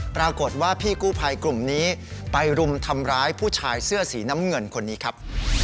ปรากฏว่าพี่กู้ภัยกลุ่มนี้ไปรุมทำร้ายผู้ชายเสื้อสีน้ำเงินคนนี้ครับ